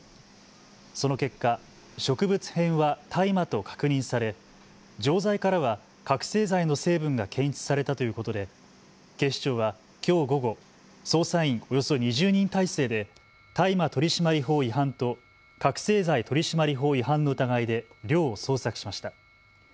その結果、植物片は大麻と確認され、錠剤からは覚醒剤の成分が検出されたということで警視庁はきょう午後、捜査員およそ２０人態勢で大麻取締法違反と覚醒剤取締法違反の疑いで寮を捜索しました。